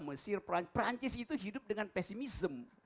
mesir perancis itu hidup dengan pesimism